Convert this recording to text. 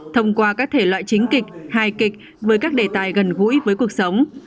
thông qua các thể loại chính kịch hài kịch với các đề tài gần gũi với cuộc sống